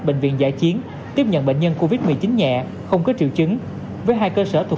bệnh viện giã chiến tiếp nhận bệnh nhân covid một mươi chín nhẹ không có triệu chứng với hai cơ sở thuộc